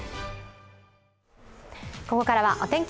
ここからはお天気